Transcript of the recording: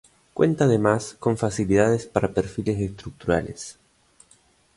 Cuenta además con facilidades para perfiles estructurales.